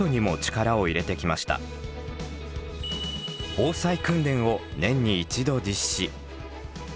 防災訓練を年に１度実施。